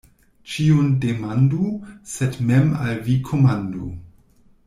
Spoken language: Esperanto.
Ĉiun demandu, sed mem al vi komandu.